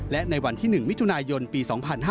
และในวันที่๑มิถุนายนปี๒๕๕๙